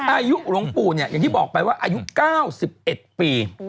อายุหลวงปู่เนี่ยอย่างที่บอกไปว่าอายุ๙๑ปี